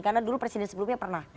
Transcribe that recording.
karena dulu presiden sebelumnya pernah